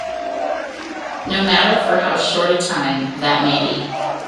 No matter for how short a time that may be.